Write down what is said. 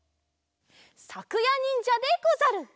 さくやにんじゃでござる。